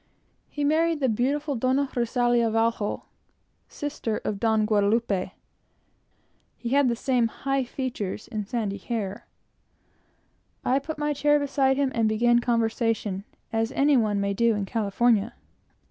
He married the beautiful Doña Rosalía Vallejo, sister of Don Guadalupe. There were the old high features and sandy hair. I put my chair beside him, and began conversation, as any one may do in California.